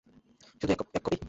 শুধু এক কপি?